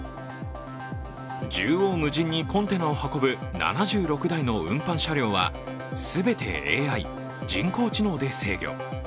縦横無尽にコンテナを運ぶ７６台の運搬車両はすべてＡＩ＝人工知能で制御。